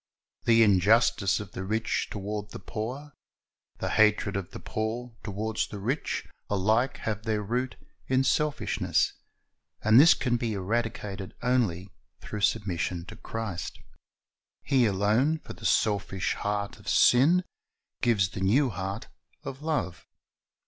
The injustice of the rich toward the poor, the hatred of the poor toward the rich, alike have their root in selfishness, and this can be eradicated only through submission to Christ. He alone, for the selfish heart of sin, gives the new heart of love.